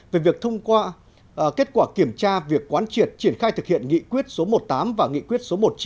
về việc thông qua kết quả kiểm tra việc quán triệt triển khai thực hiện nghị quyết số một mươi tám và nghị quyết số một mươi chín